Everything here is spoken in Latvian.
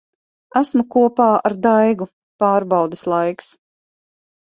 Esmu kopā ar Daigu. Pārbaudes laiks.